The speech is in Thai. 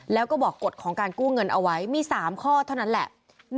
แล้วก็บอกกฎของการกู้เงินเอาไว้มี๓ข้อเท่านั้นแหละ